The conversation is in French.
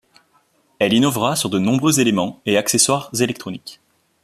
Elle innovera sur de nombreux éléments et accessoires électroniques.